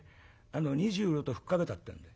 ２０両と吹っかけたってんで。